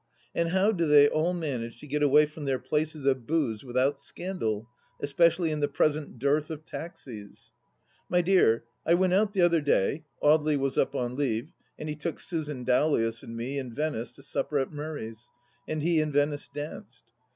And how do they all manage to get away from their places of booze without scandal, especially in the present dearth of taxis ? My dear, I went out the other day — ^Audely was up on leave and he took Susan Dowlais and me and Venice to supper at Murray's, and he and Venice danced.